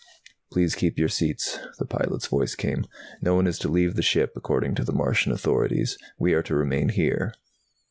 "Please keep your seats," the pilot's voice came. "No one is to leave the ship, according to the Martian authorities. We are to remain here."